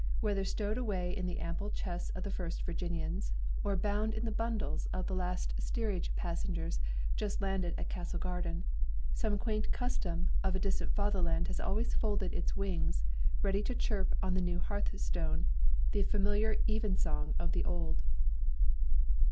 Whether stowed away in the ample chests of the first Virginians, or bound in the bundles of the last steerage passengers just landed at Castle Garden, some quaint custom of a distant Fatherland has always folded its wings, ready to chirp on the new hearthstone, the familiar even song of the old.